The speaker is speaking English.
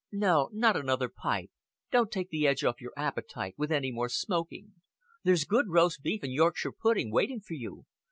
"No, not another pipe. Don't take the edge off your appetite with any more smoking. There's good roast beef and Yorkshire pudding waiting for you.